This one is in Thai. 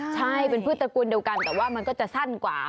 ใช่เป็นพืชตระกูลเดียวกันแต่ว่ามันก็จะสั้นกว่า